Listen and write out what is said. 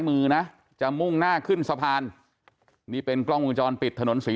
มือนะจะมุ่งหน้าขึ้นสะพานนี่เป็นกล้องวงจรปิดถนนศรี